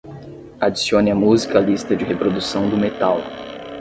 Adicione a música à lista de reprodução do Metal.